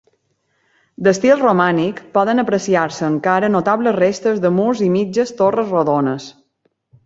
D'estil romànic, poden apreciar-se encara notables restes de murs i mitges torres rodones.